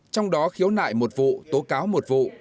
trong đó khiếu nại một vụ tố cáo một vụ